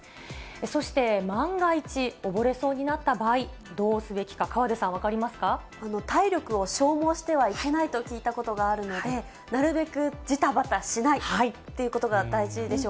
そして、万が一、溺れそうになった場合、どうすべきか、体力を消耗してはいけないと聞いたことがあるので、なるべくじたばたしないということが大事